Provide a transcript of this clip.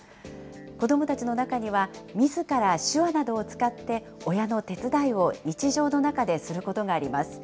子どもたちの中には、みずから手話などを使って、親の手伝いを日常の中ですることがあります。